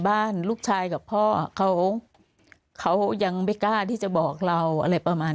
บ้านลูกชายกับพ่อเขายังไม่กล้าที่จะบอกเราอะไรประมาณ